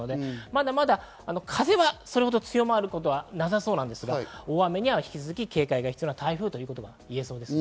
まだまだ風はそれほど強まることはなさそうですが大雨には引き続き警戒が必要な台風と言えそうです。